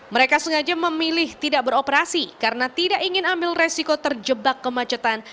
mereka sengaja memilih tidak beroperasi karena tidak ingin ambil resiko terjebak kemacetan